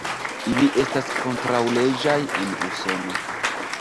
Ili estas kontraŭleĝaj en Usono.